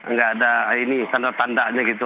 nggak ada ini tanda tandanya gitu